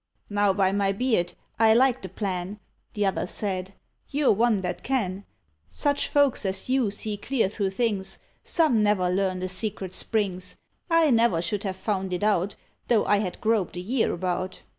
"Now, by my beard! I like the plan," The other said, "you're one that can; Such folks as you see clear through things, Some never learn the secret springs; I never should have found it out, Though I had groped a year about."